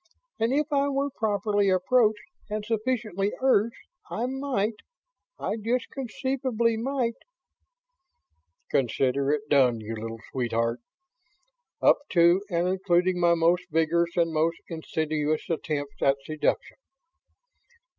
and if I were properly approached and sufficiently urged, I might ... I just conceivably might ..." "Consider it done, you little sweetheart! Up to and including my most vigorous and most insidious attempts at seduction."